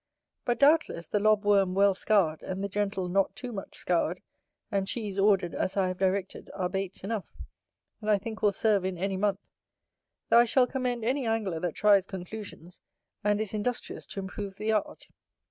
Rut, doubtless, the lob worm well scoured, and the gentle not too much scoured, and cheese ordered as I have directed, are baits enough, and I think will serve in any month: though I shall commend any angler that tries conclusions, and is industrious to improve the art.